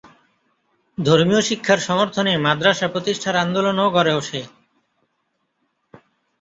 ধর্মীয় শিক্ষার সমর্থনে মাদ্রাসা প্রতিষ্ঠার আন্দোলনও গড়ে ওঠে।